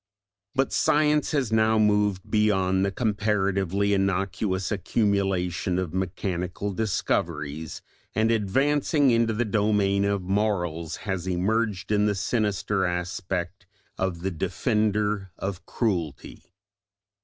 But Science has now moved beyond the comparatively innocuous accumulation of mechanical discoveries, and advancing into the domain of morals, has emerged in the sinister aspect of the defender of cruelty.